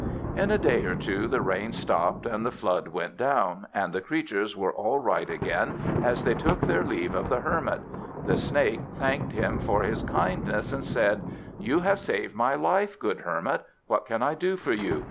In a day or two the rain stopped, and the flood went down; and the creatures were all right again as they took their leave of the Hermit. The Snake thanked him for his kindness and said: "You have saved my life, good Hermit! What can I do for you?